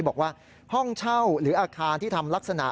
บอกว่าห้องเช่าหรืออาคารที่ทำลักษณะ